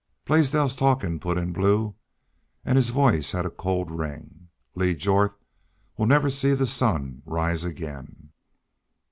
"Blaisdell's talkin'," put in Blue, and his voice had a cold ring. "Lee Jorth will never see the sun rise ag'in!"